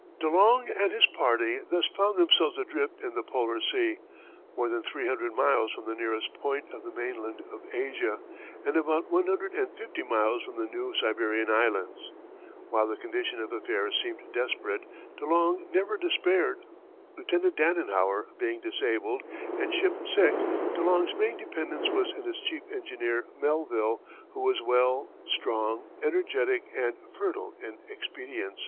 De Long and his party thus found themselves adrift in the Polar Sea, more than three hundred miles from the nearest point of the mainland of Asia, and about one hundred and fifty miles from the New Siberian Islands. While the condition of affairs seemed desperate, De Long never despaired. Lieutenant Danenhower being disabled, and Chipp sick, De Long's main dependence was in his chief engineer, Melville, who was well, strong, energetic, and fertile in expedients.